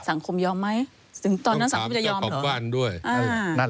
สังคมยอมไหม